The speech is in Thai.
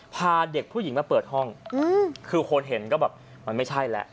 พาเด็กผู้หญิงมาเปิดห้องคือคนเห็นก็แบบมันไม่ใช่แล้ว